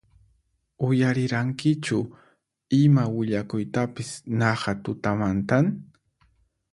Uyarirankichu ima willakuytapis naqha tutamantan?